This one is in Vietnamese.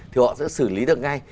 thì họ sẽ xử lý được ngay